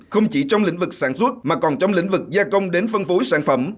không chỉ trong lĩnh vực sản xuất mà còn trong lĩnh vực gia công đến phân phối sản phẩm